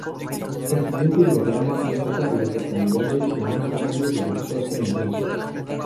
El siguiente diagrama muestra a las localidades en un radio de de Scotland Neck.